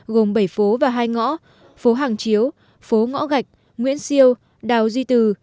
gồm bảy phố và hai ngõ phố hàng chiếu phố ngõ gạch nguyễn siêu đào duy từ